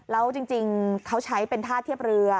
แล้วจริงเขาใช้เป็นท่าเทียบเรือ